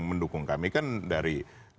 mendukung kami kan dari